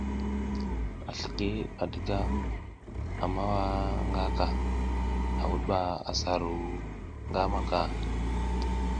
A slikid a diga, a mowa nga ka, a wud ba asa ru ngamaka.